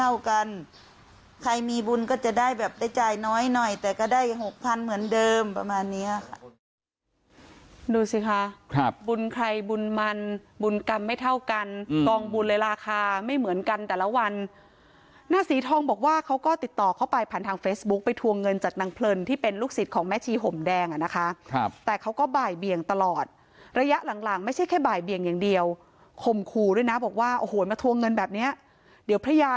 เท่ากันใครมีบุญก็จะได้แบบได้จ่ายน้อยหน่อยแต่ก็ได้หกพันเหมือนเดิมประมาณเนี้ยค่ะดูสิค่ะครับบุญใครบุมันบุญกรรมไม่เท่ากันอืมกองบุญและราคาไม่เหมือนกันแต่ละวันหน้าสีทองบอกว่าเขาก็ติดต่อเข้าไปผ่านทางเฟซบุ๊คไปทวงเงินจากนางเพลินที่เป็นลูกศิษย์ของแม่ชีห่มแดงอะนะคะครับแต่เข